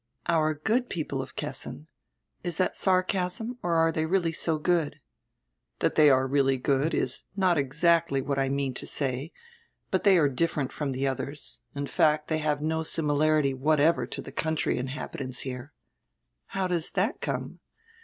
"Our good people of Kessin. Is diat sarcasm, or are diey really so good?" "That diey are really good is not exacdy what I mean to say, but they are different from die odiers; in fact, diey have no similarity whatever to die country inhabitants here." "How does that come?"